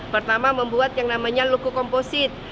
pertama membuat yang namanya loku komposit